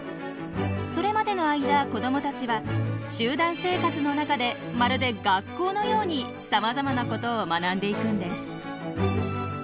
それまでの間子どもたちは集団生活の中でまるで学校のようにさまざまなことを学んでいくんです。